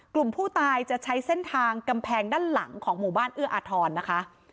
กลุ่มผู้ตายจะใช้เส้นทางกำแพงด้านหลังของหมู่บ้านเอื้ออาทรนะคะ